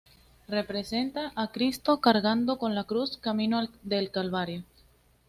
Representa a Cristo cargando con la cruz camino del Calvario.